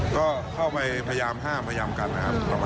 ก็เข้าไปพยายามห้ามพยายามกันนะครับ